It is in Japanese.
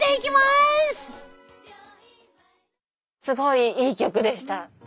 すごいいい曲でした。